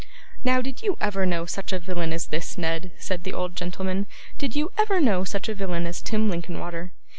'Now, did you ever know such a villain as this, Ned?' said the old gentleman; 'did you ever know such a villain as Tim Linkinwater?